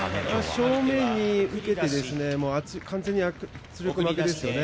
正面に受けて、完全に圧力負けですよね。